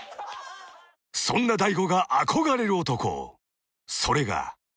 ［そんな大悟が憧れる男それが］